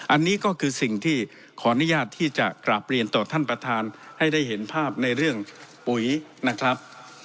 อันนี้ก็คือสิ่งที่ขออนุญาตที่จะกราบเรียนต่อท่านประธานให้ได้เห็นภาพในเรื่องปุ๋ยนะครับ